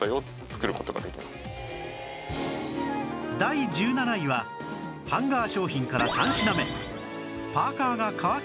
第１７位はハンガー商品から３品目